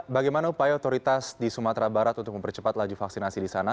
bagaimana upaya otoritas di sumatera barat untuk mempercepat laju vaksinasi di sana